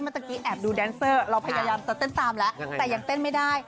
เมื่อกี้แอบดูแดนเซอร์เราพยายามจะเต้นตามแล้วแต่ยังเต้นไม่ได้